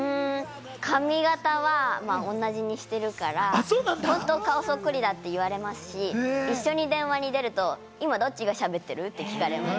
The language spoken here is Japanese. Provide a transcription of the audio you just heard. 髪形は同じにしてるから、ほんと顔そっくりだって言われますし、一緒に電話出ると、どっちがしゃべってる？って言われます。